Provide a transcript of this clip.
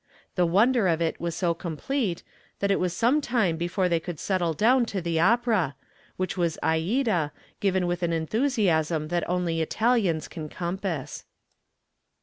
The wonder of it was so complete that it was some time before they could settle down to the opera, which was Aida, given with an enthusiasm that only Italians can compass.